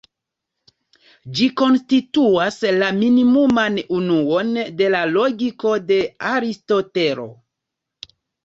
Ĝi konstituas la minimuman unuon de la logiko de Aristotelo.